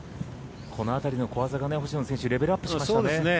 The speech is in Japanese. この辺りの小技が、星野選手レベルアップしましたね。